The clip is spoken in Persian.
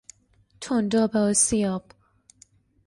تنداب آسیاب